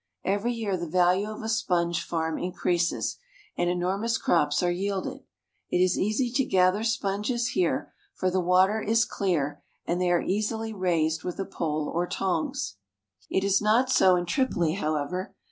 Every year the value of a sponge farm increases, and enormous crops are yielded. It is easy to gather sponges here, for the water is clear and they are easily raised with a pole or tongs. It is not so in Tripoli, however.